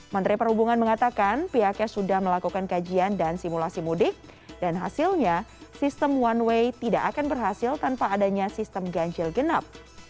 menteri perhubungan mengatakan pihaknya sudah melakukan kajian dan simulasi mudik dan hasilnya sistem one way tidak akan berhasil tanpa adanya sistem ganjil genap